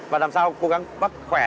và làm sao cố gắng bắt khỏe